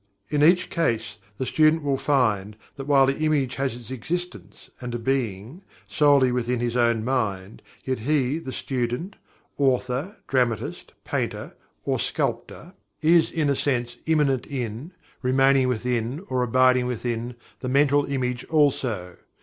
In each case, the student will find that while the image has its existence, and being, solely within his own mind, yet he, the student, author, dramatist, painter, or sculptor, is, in a sense, immanent in; remaining within; or abiding within, the mental image also.